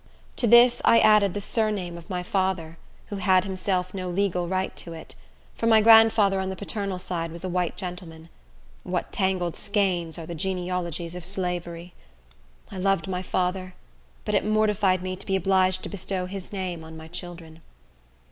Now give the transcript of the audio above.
To this I added the surname of my father, who had himself no legal right to it; for my grandfather on the paternal side was a white gentleman. What tangled skeins are the genealogies of slavery! I loved my father; but it mortified me to be obliged to bestow his name on my children.